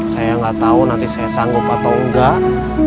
saya nggak tahu nanti saya sanggup atau enggak